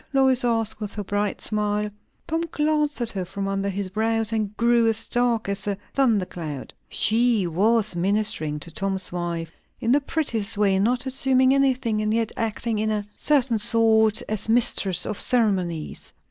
Lois asked, with her bright smile. Tom glanced at her from under his brows, and grew as dark as a thundercloud. She was ministering to Tom's wife in the prettiest way; not assuming anything, and yet acting in a certain sort as mistress of ceremonies.